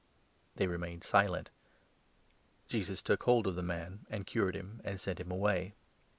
" They remained silent. Jesus took hold of the man and cured him, and sent him away.